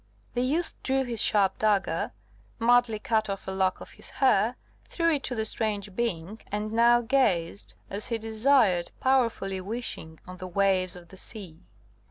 The youth drew his sharp dagger, madly cut off a lock of his hair, threw it to the strange being, and now gazed, as he desired, powerfully wishing, on the waves of the sea.